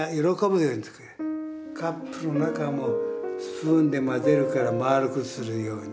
カップの中もスプーンで混ぜるから丸くするように。